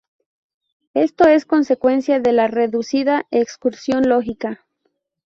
Esto es consecuencia de la reducida excursión lógica.